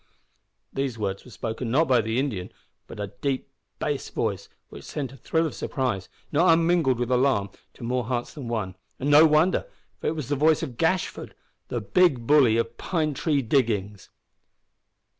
These words were spoken, not by the Indian, but by a deep bass voice which sent a thrill of surprise, not unmingled with alarm, to more hearts than one; and no wonder, for it was the voice of Gashford, the big bully of Pine Tree Diggings!